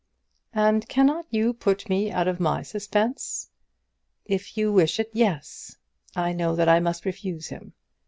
"And cannot you put me out of my suspense?" "If you wish it, yes. I know that I must refuse him.